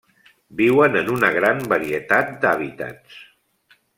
Viuen en una gran varietat d'hàbitats.